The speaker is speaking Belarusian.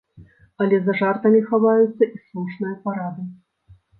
Але за жартамі хаваюцца і слушныя парады.